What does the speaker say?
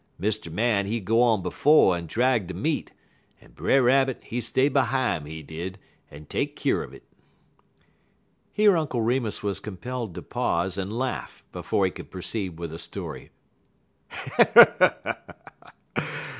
Mr. Man he go on befo' en drag de meat, en Brer Rabbit he stay behime, he did, en take keer un it." Here Uncle Remus was compelled to pause and laugh before he could proceed with the story.